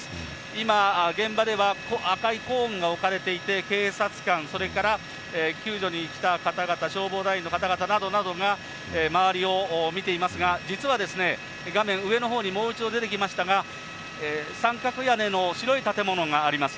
今、現場では赤いコーンが置かれていて、警察官、それから救助に来た方々、消防隊員の方々がなどなどが周りを見ていますが、実はですね、画面上のほうにもう一度出てきましたが、三角屋根の白い建物があります。